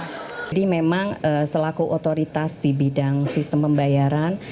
jadi memang selaku otoritas di bidang sistem pembayaran